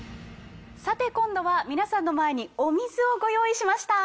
さて今度は皆さんの前にお水をご用意しました。